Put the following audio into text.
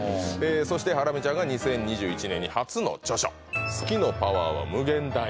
そしてハラミちゃんが２０２１年に初の著書「好きのパワーは無限大」